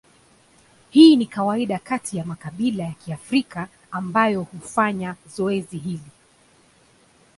Hii ni kawaida kati ya makabila ya Kiafrika ambayo hufanya zoezi hili.